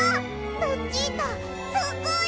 ルチータすごい！